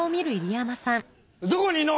どこにいんの？